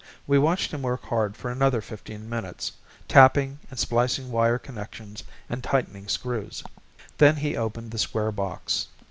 We watched him work hard for another fifteen minutes, tapping and splicing wire connections and tightening screws. Then he opened the square box.